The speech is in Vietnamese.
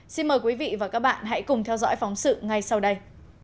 xin mời quý vị và các bạn hãy cùng theo dõi phóng sự ngay sau đây